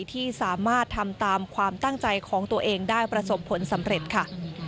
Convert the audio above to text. ที่สามารถทำตามความตั้งใจของตัวเองได้ประสบผลสำเร็จค่ะ